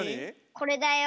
これだよ！